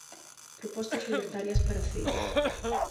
Propostas libertarias para Cee.